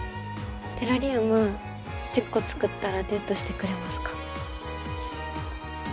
テラリウム１０個作ったらデートしてくれますか？